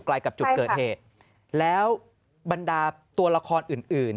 ไม่ได้มีการติดต่อกันเลย